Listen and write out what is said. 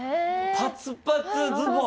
パツパツズボン。